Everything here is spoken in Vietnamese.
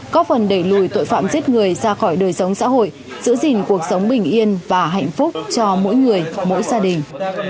có phần đẩy lùi tội phạm giết người ra khỏi đời sống xã hội giữ gìn cuộc sống bình yên và hạnh phúc cho mỗi người mỗi gia đình